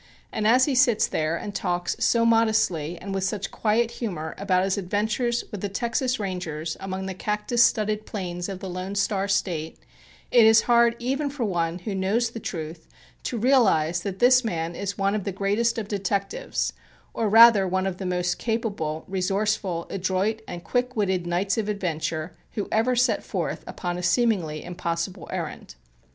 And as he sits there and talks so modestly and with such quiet humor about his adventures with the Texas Rangers among the cactus studded plains of the Lone Star State, it is hard even for one who knows the truth, to realize that this man is one of the greatest of detectives, or rather one of the most capable, resourceful, adroit and quick witted knights of adventure who ever set forth upon a seemingly impossible errand.